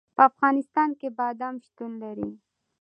په افغانستان کې بادام شتون لري.